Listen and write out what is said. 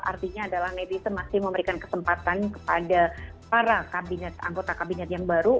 artinya adalah netizen masih memberikan kesempatan kepada para kabinet anggota kabinet yang baru